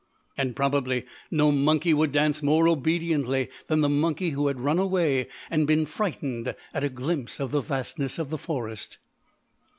And probably no monkey would dance more obediently than the monkey who had run away and been frightened at a glimpse of the vastness of the forest.